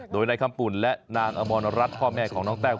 โดยนายคำปุ่นและนางอมรรัฐพ่อแม่ของน้องแต้ว